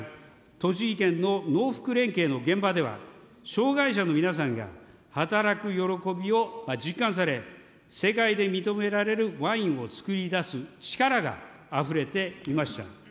栃木県の農福連携の現場では障害者の皆さんが、働く喜びを実感され、世界で認められるワインを作り出す力があふれていました。